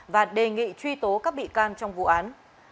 và đề nghị truy tố các bị can trong vụ án